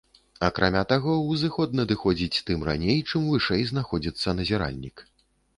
Акрамя таго, узыход надыходзіць тым раней, чым вышэй знаходзіцца назіральнік.